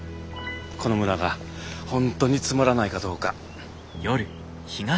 この村が本当につまらないかどうか。